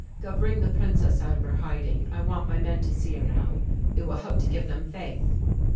"Go bring the Princess out of her hiding; I want my men to see her now. It will help to give them faith."